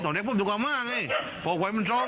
พบว่าริปแอฟทุกวันมากกดไว้พอบ่มช่อง